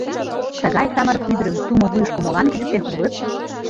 Тыгай самырык ӱдырым тумо вуйышко молан кӱзыктен улыт?